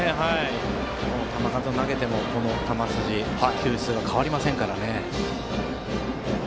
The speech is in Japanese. この球数を投げても球筋、球質が変わりませんからね。